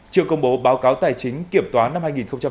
chưa công bố báo cáo tài chính kiểm toán năm hai nghìn hai mươi một